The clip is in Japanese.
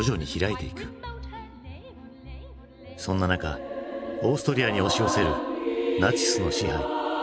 そんな中オーストリアに押し寄せるナチスの支配。